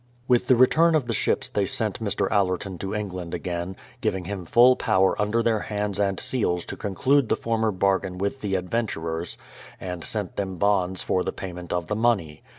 With the return of the ships they sent Mr. Allerton to England again, giving him full power under their hands and seals to conclude the former bargain with the adven turers, and sent them bonds for the payment of the money.